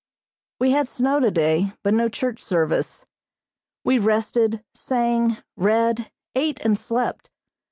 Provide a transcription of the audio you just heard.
We had snow today, but no church service. We rested, sang, read, ate and slept.